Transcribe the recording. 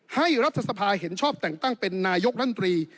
รัฐสภาเห็นชอบแต่งตั้งเป็นนายกรัฐมนตรี